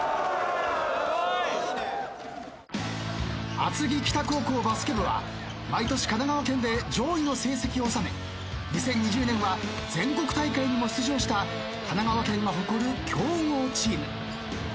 厚木北高校バスケ部は毎年神奈川県で上位の成績を収め２０２０年は全国大会にも出場した神奈川県が誇る強豪チーム。